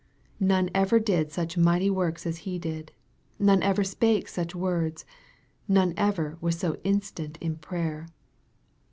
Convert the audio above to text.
None ever did such mighty works as He did. None ever spake such words None ever was so instant in prayer.